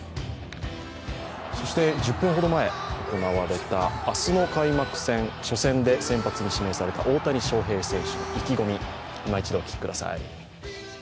そして１０分ほど前行われた明日の開幕戦、初戦で先発に指名された大谷翔平選手の意気込みいま一度お聞きください。